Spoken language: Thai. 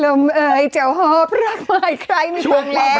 ลำเอ่ยเจ้าหอบรักแล้วให้ใครไม่ลองแล้ว